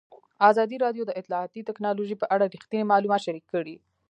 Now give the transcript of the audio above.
ازادي راډیو د اطلاعاتی تکنالوژي په اړه رښتیني معلومات شریک کړي.